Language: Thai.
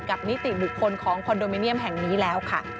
นิติบุคคลของคอนโดมิเนียมแห่งนี้แล้วค่ะ